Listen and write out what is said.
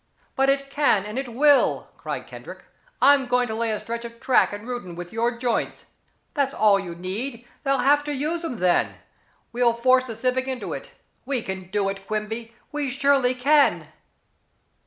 "But it can, and it will," cried Kendrick. "I'm going to lay a stretch of track in Reuton with your joints. That's all you need they'll have to use 'em then. We'll force the Civic into it. We can do it, Quimby we surely can."